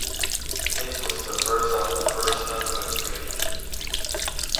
This was the birth of the first hammerless drilling.